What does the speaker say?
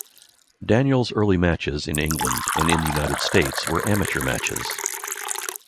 Daniels early matches in England and in the United States were amateur matches.